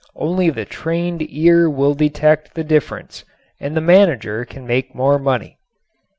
Only the trained ear will detect the difference and the manager can make more money.